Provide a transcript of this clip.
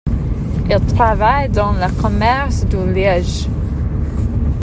Il travaille dans le commerce du liège.